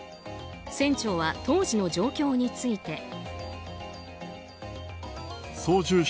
船長は、当時の状況について。